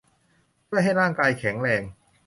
ช่วยให้ร่างกายแข็งแรง